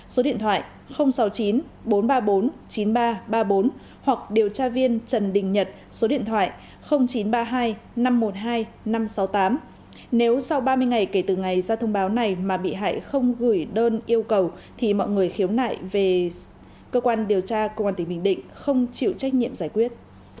số điện thoại sáu mươi chín bốn trăm ba mươi bốn chín nghìn ba trăm ba mươi bốn hoặc điều tra viên trần đình nhật số điện thoại chín trăm ba mươi hai năm trăm một mươi hai năm trăm sáu mươi tám nếu sau ba mươi ngày kể từ ngày ra thông báo này mà bị hại không gửi đơn yêu cầu thì mọi người khiếu nại về cơ quan điều tra công an tỉnh bình định không chịu trách nhiệm giải quyết